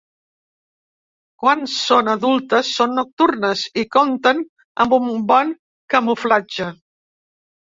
Quan són adultes són nocturnes i compten amb un bon camuflatge.